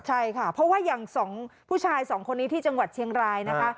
ใช่ค่ะเพราะว่าอย่าง๒ผู้ชายสองคนนี้ที่จังหวัดเชียงรายนะคะ